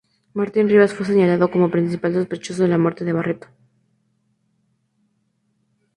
Martín Rivas fue señalado como principal sospechoso de la muerte de Barreto.